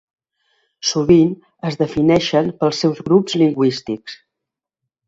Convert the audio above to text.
Sovint es defineixen pels seus grups lingüístics.